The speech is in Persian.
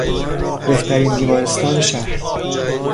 بهترین بیمارستان شهر